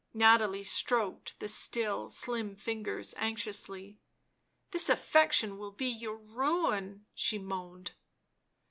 Nathalie stroked the still, slim fingers anxiously. " This affection will be your ruin," she moaned.